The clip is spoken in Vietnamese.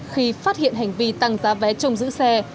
khi phát hiện hành vi tăng giá vé trông giữ xe